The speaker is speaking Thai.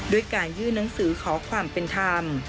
ด้วยการยื่นหนังสือขอความเป็นธรรม